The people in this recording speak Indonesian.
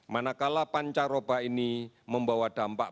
manakala pancaroba ini membawa dampak